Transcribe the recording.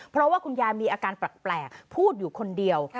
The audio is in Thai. เพราะว่าคุณยายมีอาการแปลกพูดอยู่คนเดียว